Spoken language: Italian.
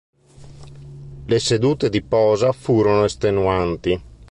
Le sedute di posa furono estenuanti.